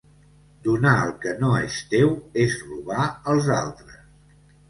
Donar el que no és teu és robar els altres.